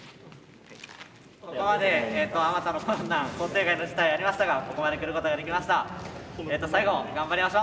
ここまであまたの困難想定外の事態ありましたがここまで来ることができました。